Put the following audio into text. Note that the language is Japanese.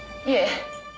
いいえ。